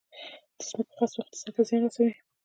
د ځمکو غصب اقتصاد ته زیان رسولی؟